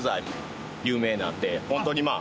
ホントにまあ。